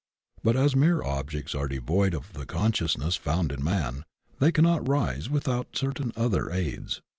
But as mere objects are devoid of the consciousness found in man, they cannot rise without certain other aids.